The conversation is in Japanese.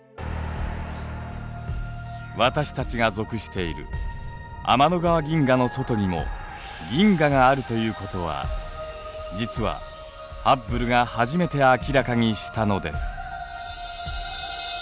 私たちが属している天の川銀河の外にも銀河があるということは実はハッブルが初めて明らかにしたのです。